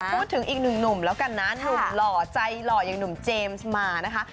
พูดถึงอีกหนึ่งหนุ่มแล้วกันนะหนุ่มหล่อใจหล่ออย่างหนุ่มเจมส์มานะคะ